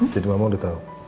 jadi mama udah tau